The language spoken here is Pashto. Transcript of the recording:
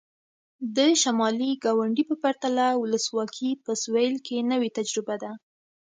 د شمالي ګاونډي په پرتله ولسواکي په سوېل کې نوې تجربه ده.